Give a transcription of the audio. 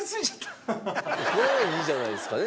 「ならいいじゃないですかね」